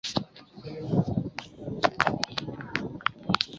表情都十分严厉